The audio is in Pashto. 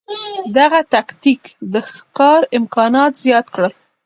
دغه تکتیک د ښکار امکانات زیات کړل.